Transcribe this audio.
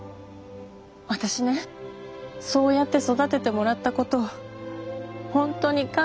私ねそうやって育ててもらったこと本当に感謝してるの。